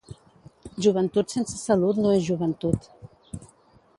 Joventut sense salut no és joventut.